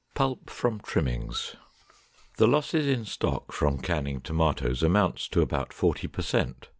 PULP FROM TRIMMINGS. The losses in stock from canning tomatoes amounts to about forty per cent.